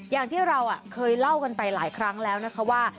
อย่างที่เราเคยเล่ากันไปหลายครั้งแล้วนะคะว่า